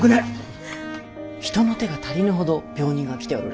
人の手が足りぬほど病人が来ておるらしくての。